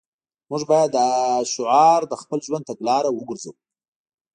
موږ باید دا شعار د خپل ژوند تګلاره وګرځوو